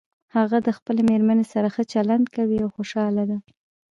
هغه د خپلې مېرمنې سره ښه چلند کوي او خوشحاله ده